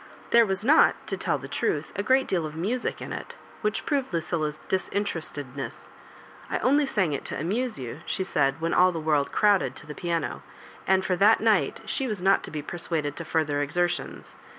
There was not, to'tell the truth, a great deal of music in it, which proved Lucilla's dis interestednesa " I only sang it to amuse you," she said, when all the world crowded to the piano; and for that night she was not to be persuaded to further exertions.